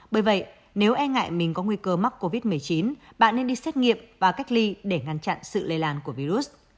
bởi vậy nếu e ngại mình có nguy cơ mắc covid một mươi chín bạn nên đi xét nghiệm và cách ly để ngăn chặn sự lây lan của virus